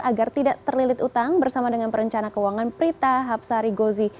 agar tidak terlilit utang bersama dengan perencana keuangan prita hapsari gozi